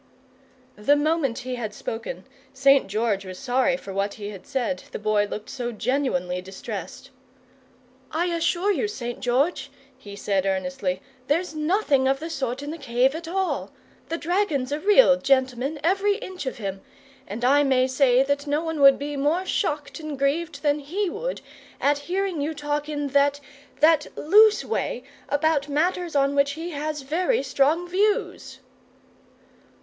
The moment he had spoken, St. George was sorry for what he had said, the Boy looked so genuinely distressed. "I assure you, St. George," he said earnestly, "there's nothing of the sort in the cave at all. The dragon's a real gentleman, every inch of him, and I may say that no one would be more shocked and grieved than he would, at hearing you talk in that that LOOSE way about matters on which he has very strong views!"